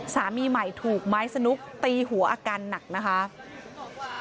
สามีใหม่ถูกไม้สนุกตีหัวอาการหนักนะคะ